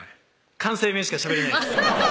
関西弁しかしゃべれないです